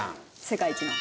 世界一の。